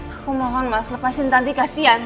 aku mohon mas lepasin tadi kasihan